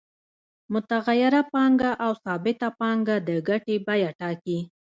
متغیره پانګه او ثابته پانګه د ګټې بیه ټاکي